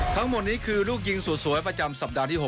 ทั้งหมดนี้คือลูกยิงสุดสวยประจำสัปดาห์ที่๖